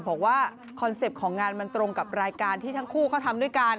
คอนเซ็ปต์ของงานมันตรงกับรายการที่ทั้งคู่เขาทำด้วยกัน